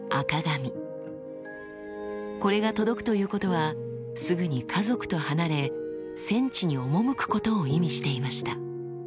これが届くということはすぐに家族と離れ戦地に赴くことを意味していました。